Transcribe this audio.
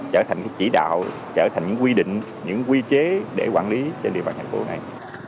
trở thành chỉ đạo trở thành những quy định những quy chế để quản lý trên địa bàn thành phố này